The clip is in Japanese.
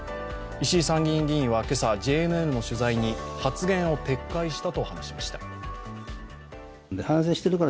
石井参議院議員は今朝、ＪＮＮの取材に発言を撤回したと話しました。